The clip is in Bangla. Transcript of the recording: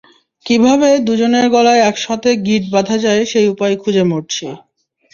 কীভাবে দুজনের গলায় একসাথে গিট বাঁধা যায় সেই উপায় খুঁজে মরছি।